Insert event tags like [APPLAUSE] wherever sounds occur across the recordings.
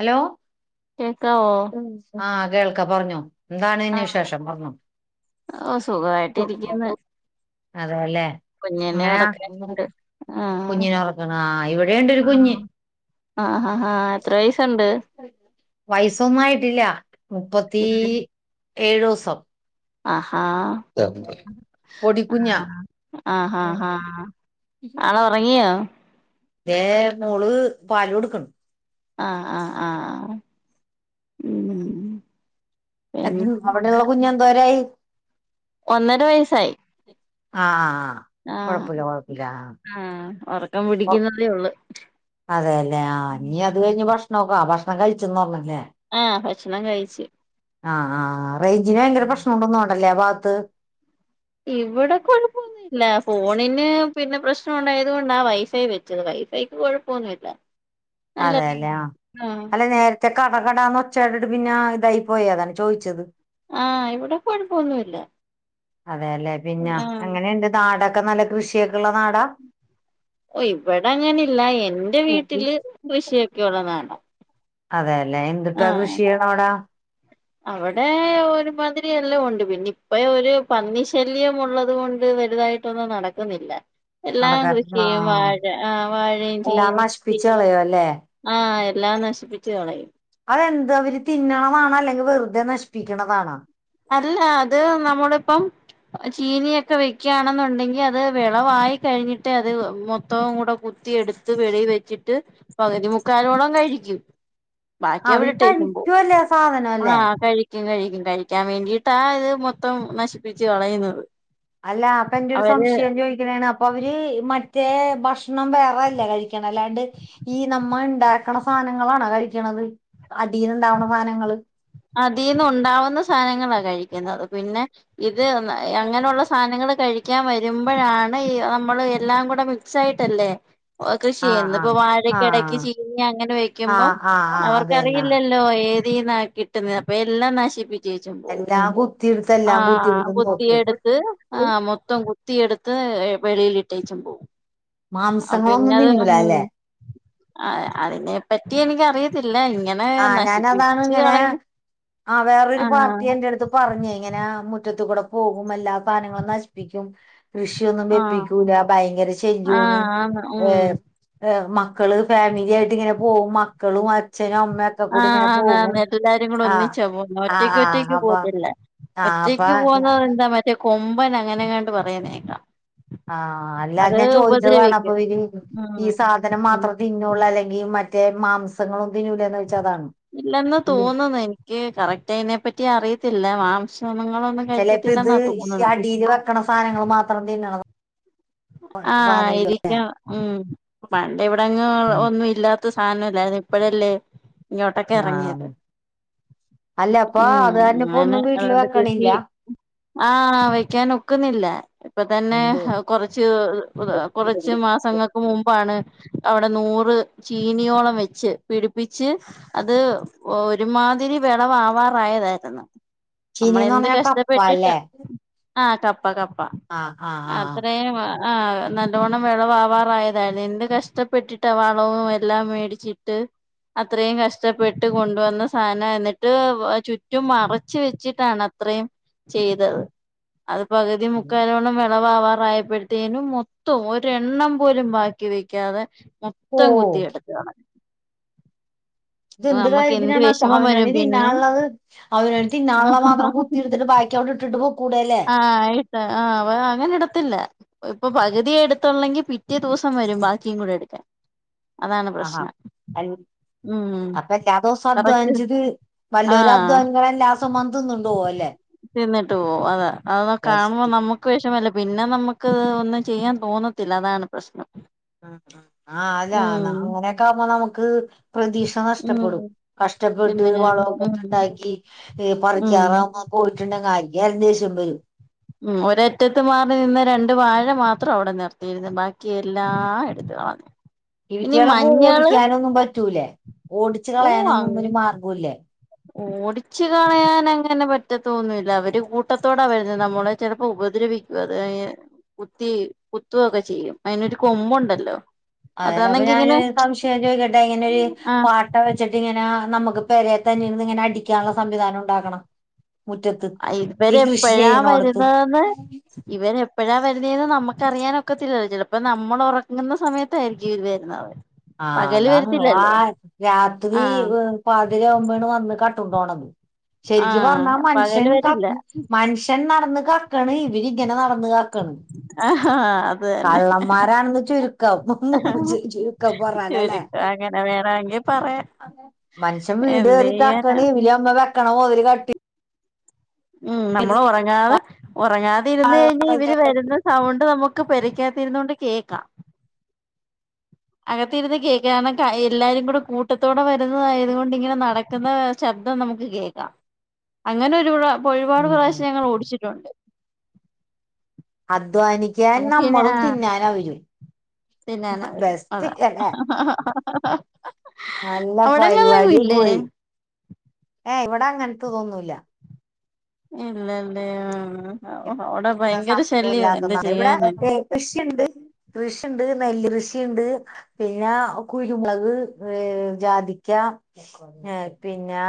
Hello കേക്കാവോ ആഹ് കേൾക്ക പറഞ്ഞോ. എന്താണ് ആ പിന്നെ വിശേഷം പറഞൊ ഓ സുഖമായിട്ടിരിക്കുന്നു അതെയല്ലേ കുഞ്ഞിനെ ഇങ്ങനാ ഉറക്കാനിട്ട് ആഹ് കുഞ്ഞിനെ ഉറക്കണ ആ ഇവിടെണ്ട ഒരു കുഞ്ഞ്. ആഹ് ആഹ് ആഹ് ഹാ വയസൊന്നായിട്ടില്ല മുപ്പത്തി ഏഴു ദിവസം. ആഹാ പൊടിക്കുഞ്ഞാ ആഹാ ആഹഹാ ഹാ. ആവ ഉറങ്ങിയോ. ഏമോള് പാല് കൊടുക്കണ് ആഹ്ആഹ് ആഹ് ഉം പിന്നെ അവിടെ ഉള്ള കുഞ്എന്തോരായി. ഒന്നര വയസ്സായി ആഹ് ആഹ് കൊഴപ്പില്ല കൊഴപ്പില്ല ആ ആഹ് ഉറക്കം പിടിക്കുന്നതേ ഉള്ളു അതെയല്ലെ ആ നീ അത് കഴിഞ്ഞ് ഭക്ഷണക്കെ ആ ഭക്ഷണം കഴിച്ചന്ന് പറഞ്ഞല്ലേ ആഹ് ഭക്ഷണം കഴിച്ച് ആഹ് ആഹ് റേഞ്ചിന് ഭയങ്കര പ്രശ്നുണ്ടൊന്നുണ്ടല്ലേ ആ ഭാഗത്ത് ഇവിടെക്കൊഴപ്പ ഇല്ല ഫോണിന് പിന്നെ പ്രശ്നം ഉണ്ടായത് കൊണ്ടാ വൈഫൈ വെച്ചത് വൈഫൈക്ക് കൊഴപ്പൊന്നുല്ല. അതെല്ലേ ആഹ് അല്ലെ നേര ത്തെ കടകടാന്ന് ഒച്ച കേട്ടിട്ട് പിന്നെ ഇതായി പോയി അതാണ് ചോദിച്ചത് ആഹ് ഇവിടെ കൊഴപ്പൊന്നുല്ല അതെയല്ലെ പിന്നെ എങ്ങനെയുണ്ട് നാടൊക്കെ നല്ല കൃഷിയൊക്കെയുള്ള നാടാ ഓ ഇവിടെ അങ്ങനില്ല എന്റെ വീട്ടില് കൃഷിയൊക്കെഒള്ള നാട അതെയല്ലെ എന്തിട്ടാ ആ കൃഷി ചെയ്യണ അവിടാ അവിടെ ഒരുമാതിരി എല്ലാം ഉണ്ട് പിന്നെ ഇപ്പ ഒരു പന്നി ശല്യം ഉള്ളത് കൊണ്ട് വലുതായിട്ട് ട്ടൊന്നും നടക്കുന്നില്ല എല്ലാം നടക്കാൻ ആ കൃഷിയെയ്യും വാഴ ആഹ് വാഴയും എല്ലാം ചീനിം നശിപ്പിച്ച് കളയോ ചേമ്പും അല്ലേ ആഹ് എല്ലാം നശിപ്പിച്ച് കളയും അതെന്ത് അവര് തിന്നണതാണോ അല്ലെങ്കിൽ വെറുതെ നശിപ്പിക്കണതാണോ അല്ല അത് നമ്മുടെ ഇപ്പം ചീനിയൊക്കെ വെയ്ക്കാണെന്നുണ്ടെങ്കി അത് വെളവായി കഴിഞ്ഞിട്ട് അത് മൊത്തവും കൂടെ കു ത്തിയെടുത്ത് വെളീ വെച്ചിട്ട് പകുതിമുക്കാലോളം കഴിക്കും ആ ബാക്കി അവര് അവിടെ ഇട്ടേച്ചും പോവും കഴിക്കുവല്ലേ ആ സാധനം അല്ലേ ആഹ് കഴി കഴിക്കും കഴിക്കും കഴിക്കാൻ വേണ്ടിട്ടാ ഇത് മൊത്തം നശിപ്പിച്ച് കളയുന്നത് അല്ലാ അപ്പൊ എന്റെ ഒരു അവര് സംശയം ചോദിക്കണേണ് അപ്പ അവര് മറ്റേ ഭക്ഷണം വേറെല്ലേ കഴിക്കണേ അല്ലാണ്ട് ഈ നമ്മ ഇണ്ടാക്കണ സാധനങ്ങളാണോ കഴിക്കണത് അടീൽ ഇണ്ടാവണ സാധനങ്ങള് അതീന്ന് ഉണ്ടാവുന്ന സാധനങ്ങളാ കഴിക്കുന്നത് പിന്നെ ഇത് അങ്ങനെയുള്ള ആഹ് സ സാധനങ്ങള് കഴിക്കാൻ വരുമ്പോഴാണ് ഈ നമ്മള് എല്ലാം കൂടെ മിക്സായിട്ടല്ലേ കൃഷി ചെയ്യുന്നു ഇപ്പൊ ആഹ് വാഴക്കിടക്ക് ആഹ് ചീനി അങ്ങനെ വെക്കുമ്പം ആഹ് ആഹ് ആഹ് അതന്നെ അവർക്കറിയില്ലല് പ്പൊ ഏതീന്നാ കിട്ടുന്നത് അപ്പൊ എല്ലാം നശിപ്പിച് ജയിച്ചും പോവും എല്ലാം കുത്തിയെടുത്ത് എല്ലാം ആഹ് കുത്തിയെടുത്ത് കൊത്തിയ എടുത്ത് നോക്കും ആഹ് മൊത്തം കുത്തിയെടുത്ത് വെളിയിലിട്ടേച്ചും പോവും ആഹ് മാംസങ്ങളൊന്നും പിന്നത് തിന്നൂല മൂ അല്ലെ ആഹ് അതിനെ പറ്റി എനിക്കറിയത്തില്ല ഇങ്ങനെ ആഹ് ഞാനതാണ് നശിപ്പിച്ച് ഇങ്ങനെ കളെ ആഹ് വേറൊരു പാർട്ടിയെന്റടുത്ത് പറഞ്ഞ് ഇങ്ങനെ മുറ്റത്ത് കൂടെ പോകും എല്ലാ സാധനങ്ങളും നശിപ്പിക്കും കൃഷിയൊന്നും ആഹ് വെപ്പിക്കൂല ഭയങ്കര ശെല്യാണ് ആഹ് ആന്ന് ഉം ഏഹ് മക്കള് ഫാമിലി ആയിട്ട് ഇങ്ങനെ പോകും മക്കളും അച്ഛനും അമ് ആഹ് ആന്നാന്ന് എല്ലാരും കൂടെ ആഹ് ഒന്നിച്ചാ പോന്നെ ആഹ് ആഹ് ഒറ്റക്കൊറ്റക്ക് അപ്പൊ പോത്തില്ല ആഹ് ഒറ്റക്ക് അപ്പൊ പോകുന്നത് എന്താ മറ്റേ കൊമ്പൻ അങ്ങനെങ്ങാണ്ട് പറയുന്ന കേക്കാം ആഹ് അല്ലാ അത് ഞാൻ ചോദിച്ചതാണ് അപ്പൊ ഇ ഈ ഉം സാധനം ഉം മാത്ര തിന്നൂള്ളു അല്ലെങ്കി മറ്റേ മാംസങ്ങളും തിന്നൂലേന്ന് വെച്ച അതാണ് ഇല്ലെന്ന് ഉം. തോന്നുന്നു എനിക്ക് കറക്റ്റ് അയിനെ പറ്റി അറിയത്തില്ല മാംസങ്ങളും ചിലപ്പോ ഇത് ഈ അടീൽ വെക്കണ സാധനങ്ങൾ മാത്രം തിന്നണ ആഹ് സാധനല്ല ആയിരിക്കും ഉം പണ്ട് ഇവിടെങ്ങും ഒന്നും ഇല്ലാത് ത്ത സാധനം ഇല്ലാരുന്ന് ഇപ്പഴല്ലേ ഇങ്ങോട്ടൊക്കെ ഇറങ്ങിയത് ആഹ് അല്ല അപ്പൊ ഉം അത് കാരണം ഇപ്പോ അങ്ങനെ ഒന്നും വീട്ടില് അതോണ്ട് കൃഷി വെക്കണില്ല ആഹ് വെക്കാൻ ഒക്കുന്നില്ല ഇപ്പൊ തന്നെ എന്തോ കൊറച് ച്ച് കുറ കുറച്ച് മാസങ്ങ ക്കു മുമ്പാണ് അവിടെ നൂറ് ചീനിയോളം വെച്ച് പിടിപ്പിച്ച് അത് ഒരുമാതിരി വെളവാവാറായതാരുന്നു. അമ്മള് ചീനീന്ന് എന്ത് പറഞ്ഞാ കപ്പ കഷ്ടപ്പെട്ടിട്ടാ അല്ലേ ആഹ് കപ്പ കപ്പ ആഹ് ആഹ് ആഹ് അത്രയും. ആഹ് ആഹ് നലോണ്ണം വിളവാവാറായതായിരുന്നു എന്ത് കഷ്ടപ്പെട്ടിട്ട വളവും എല്ലാം മേടിച് ട്ട് അത്രയും കഷ്ടപ്പെട്ട് കൊണ്ടുവന്ന സാധനാ എന്നിട്ട് ചുറ്റും മറച്ച് വെച്ചിട്ടാണ് ത്രം ചെയ്തത് അത് പകുതി മുക്കാലോളം വെളവാവാറായപ് ത്തേനും മൊത്തം ഒരെണ്ണം പോലും ബാക്കി വെക്കാതെ മൊത്തം ഓഹ് കുത്തി എടുത്തുകളഞ്ഞ് ഇതെന്ത് നമ്മക്ക് എന്ത് കാര്യത്തിനാണ് വിഷമം വരും അവനോന്‌ പിന്നെ തിന്നാനുള്ളത് അവനവന് തിന്നാനുള്ള മാത്രം കുത്തിയെടുത്തിട്ട് ബാക് ബാക്കി അവിടെ ഇട്ടിട്ട് പൊക്കൂടേല്ലേ? ആഹ് ആയിട്ട് ആഹ് അ അങ്ങനെ ഇടത്തില്ല. ഇപ്പൊ പകുതിയേ എടുത്തുള്ളെങ്കി പിറ്റേ ദിവസം വരും ബാക്കിയും കൂടെ എടുക്കാൻ. അതാണ് ആഹാ പ്രശ്നം അൽ ഉം അപ്പ എല്ലാ ദിവസവും കറക്റ്റ് അധ്വാനിച്ചത്. വല്ലോരും ആഹ് അധ്വാനിക്കണ എല്ലാ ദിവസോം തിന്നോണ്ട് പോവും അല്ലേ? തിന്നിട്ട് പോവും അതാ. അതൊക്കെ കാണുമ്പോ നമുക്ക് വിഷമല്ലേ പിന്നെ നമുക്ക് ഒന്നും ചെയ്യാൻ തോന്നത്തില്ല അതാണ് പ്രശ്നം. ഉ ആഹ് അല്ല ഉം അങ്ങനെയൊക്കെ ആകുമ്പോ നമുക്ക് പ്രതീക്ഷ ഉം നഷ്ടപ്പെടും കഷ്ടപ്പെട്ട് പിന്നെ ഉം വളമൊക്കെ ഉണ്ടാക്കി ഉം പറിക്കാറാവുമ്പൊ പോയിട്ടുണ്ടെൽ ആർക്കായാലും ദേഷ്യം വരും ഉ ഒരറ്റത്ത് മാറി നിന്ന രണ്ട് വാഴ മാത്രം അവിടെ നിർത്തിയിരുന്നു ബാക്കി എല്ലാ എടുത്തുകളഞ്ഞു ഇവറ്റകളെ ഓടിക്കാനൊന്നും പറ്റൂലേ ഓടിച്ച് ഓ അങ്ങ് കളയാനൊന്നും മാർഗംല്ലേ ഓടിച്ചു കളയാൻ അങ്ങനെ പറ്റത്തോന്നൂല്ല അവര് കൂട്ടത്തോട വരുന്നത് നമ്മളെ ചിലപ്പോ ഉപദ്രവിക്ക ക്കും അത് കുത്തി കുത്തു ഒക്കെ ചെയ്യും അതിനൊരു കൊമ്പുണ്ടല്ലോ അതല്ല അപ്പൊ അതാണെങ്കി ഞാനൊ ഇങ്ങനെ രു സംശയം ചോദിക്കട്ടെ ഇങ്ങനെരു ആ പാട്ട വെച്ചിട്ട് ഇങ്ങനെ നമുക്ക് പെരെ തന്നെ യിരുന്ന് ഇങ്ങനെ അടിക്കാനുള്ള സംവിധാനം ഉണ്ടാക്കണം മുറ്റത്ത് ഈ ഇവരെ കൃഷി എപ്പഴാ ചെയ്യണോടത്ത് വരുന്നതെന്ന് ഇവനെപ്പഴാ വരുന്നതെന്ന് നമുക്കറിയാനൊക്കത്തില്ലല്ലോ ചിലപ്പോ നമ്മൾ ഉറങ്ങുന്ന സമയത്തായിരിക്കും ഇവർ വരുന്നത് ആഹ് പകല് അതാണ് ആ വരത്തില്ലല്ലോ രാത്രി ആഹ് പാതിര ആകുമ്പോ വന്ന് കട്ടോണ്ട് പോണത് ശെരിക്ക് ആഹ് പറഞ്ഞാ പകല് മനുഷ്യൻ വരില്ല മനുഷ്യൻ നടന്ന് കക്കണ് ഇവരി ഇങ്ങനെ നടന്നുക ക്കണ് ആഹാ അത് തന്നെ കള്ളന്മാരാണെന്ന് ചുരുക്കം. പറഞ്ഞാലല്ലേ ചുരുക്കം അങ്ങനെ വേണമെങ്കി പറയാ. മനുഷ്യൻ വീട് കേറി കക്കണ് ഇവര് നമ്മ വെക്കണ മൊതല് കട്ടി ഉം നമ്മൾ ഉറങ്ങാതെ ഉറങ്ങാതിരുന്ന കഴിഞ്ഞൽ ഇവര് വരുന്ന സൗണ്ട് നമുക്ക് പെരക്കാത്തിരുന്നൊണ്ട് കേക്കാം അകത്തി ഇരുന്ന് കേൾക്കാ എല്ലാരും കൂടെ കൂട്ടത്തോടെ വരുന്നതായത് കൊണ്ട് ഇങ്ങനെ നടക്കുന്ന ശബ്ദം നമുക്ക് കേൾക്കാം അങ്ങനെ ഒരുപ ഒരുപാട് ഉം ഉം പ്രാവശ്യം ഞങ്ങൾ ഓടിച്ചിട്ടുണ്ട് അധ്വാനിക്കൻ നമുക്ക് പിന്നെ നമ്മളും ആ തിന്നാനവരും തിന്നാനാ വരും അതാ ബെസ്റ്റ്ല്ലെ നല്ല അവിടങ്ങളിലെങ്ങും ഇല്ലേ പരിപാടിയായിപോയി ഏ യ് ഇവിടെ അങ്ങനത്തെ തോന്നൂല്ല ഇല്ലല്ലേ ഇവിടെ ഭയങ്കര സംഭവം ശല്യോ എന്ത് ഇല്ലാത്തതാണ് ഇവിടെ ചെയ്യാന കൃഷിയുണ്ട് കൃഷിയുണ്ട് നെല്ല് കൃഷിയുണ്ട് പിന്നെ കുരുമുളക് ഏ ജാതിക്ക ഏ പിന്നെ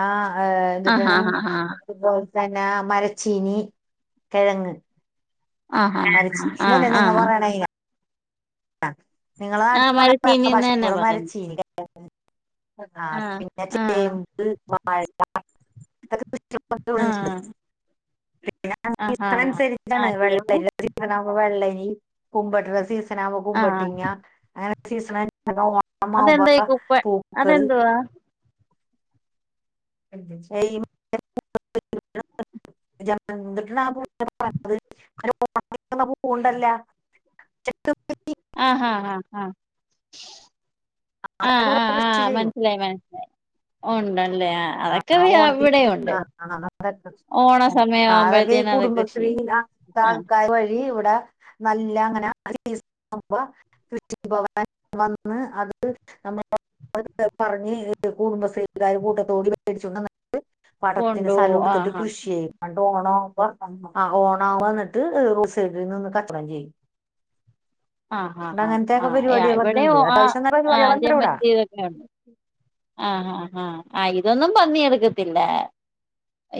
ആഹ് എന്തുട്ടാണ് ആഹ് ആഹ് ഇപോ തന മരച്ചീനി കിഴങ്ങ് ആഹ മരച്ചീനി ആഹആഹ് ആഹ് ആ നിങ്ങള് ആഹ് അവിടത്തെ മരച്ചീനിന്ന് ഭാഷയിൽ എന്താ തന്നാ പറയുന്നെ ഇവിടെമരച്ചീനി ആ ആഹ് പിന്നെ ആഹ് ചേമ്പ് വാഴക്ക കുറ്റി പയർ ആഹ് ഒക്കെണ്ട് [UNINTELLIGIBLE] ആഹ് ഇത്രം ആഹ് അനുസരിച്ചാണ് ആഹ് ചേമ്പ് വെള്ളരി സീസണാവുമ്പോ വെള്ളരി കുമ്പട്ട സീസണാവുമ്പോ ആഹ് കുമ്പട്ടിങ്ങ അങ്ങനെ സീസ പിന്നെ അതെന്തായി ഓണമാവുമ്പോൾ കുപ്പ പൂക്കള് അതെന്തുവാ [UNINTELLIGIBLE] ജമന്തി ന്നാണ് പൂവ് ഓണത്തിന് വക്കണപൂവ്ണ്ടല്ല ചെത്തി ആഹ ഹ ആ ആ അതൊക്കെ ആഹ് ഇവിടെ ആഹ് കൃഷി ആഹ് ചെയ്യും മനസ്സിലായി മനസ്സിലായി ഉണ്ടല്ലേ ആ ആ ഓണത്തിനൊക്കെ ഓണ സമയം അതൊക്കെ ഈ ആവുമ്പോഴത്തേന് അത് കൃഷി കുടുംബശ്രീ ആ താൽക്കാര് വഴി ഇവിടെ നല്ല അങ്ങനെ [UNINTELLIGIBLE] പോകുമ്പ കൃഷി ഭവൻല് വന്ന് അത് നമ്മള അത് പറഞ്ഞ് കുടുംബശ്രീകാര് കൂട്ടത്തോടെ ടിച്ചോണ്ട് വന്നിട്ട് പാട്ടത്തിന് സ്ഥലം കൊണ്ടുപോകും ആ എടുത്തിട്ട് ഹാ കൃഷി ചെയ്യും എന്നിട്ട് ഓണം ഓണാവുമ്പോ എന്നിട്ട് റോഡ് സൈഡിൽ നിന്ന് കച്ചവടം ചെയ്യും ആ പിന്നെ ആഹാ ആ അങ്ങനത്തെയൊക്കെ പരിപാടികളൊക്കെ ഉണ്ട് ഇവിടെയും ആ അത്യാവശ്യം നല്ല ആ പരിപാടികളൊക്കെ ഉണ്ട് ഇവിടെ ജമന്തിതൊക്കെ ഉണ്ട് ആഹ് ആഹ് ആഹ് ഇതൊന്നും പന്നിയെടുക്കത്തില്ല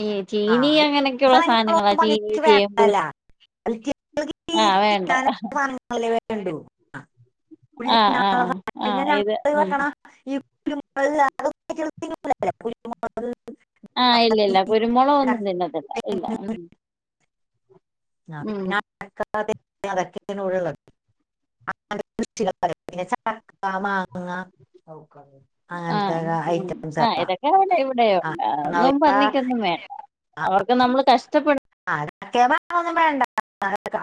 ഈ ആ ചീനി അങ്ങനെയൊക്കെയുള്ള സാധനങ്ങളാ ഇപ്പം ചീനി പള്ളിക്ക് ചേമ്പ് വേണ്ടല്ല ആ വേണ്ട അതല്ലേ വേണ്ടൂ [INAUDIBLE] പിന്നെ ആ ആ ഞങ്ങള് ആ ഇത് ഉം വെക്കണ ഈ കുരുമൊളക് [INAUDIBLE] ആ ഇല്ലല്ല കുരുമുളകൊന്നും അടക്ക, തിന്നത്തി ല്ല ഇല്ല തേങ്ങ, ഉം ഉം [UNINTELLIGIBLE] അതൊക്കെയാണ്‌ ഇവിടെയുള്ളത് [INAUDIBLE] പിന്നെ ചക്ക മാങ്ങ ആ അങ്ങനത്തെ ആഹ് ഐറ്റംസ് ആ ഇതൊക്കെ അവിടെ ഇവിടെയും ഉണ്ട് അതൊന്നും പന്നിക്കൊ ക്കൊന്നും വേണ്ട അവർക്ക് നമ്മൾ കഷ്ടപ്പെടു ചക്കേം മാങ്ങെന്നും വേണ്ട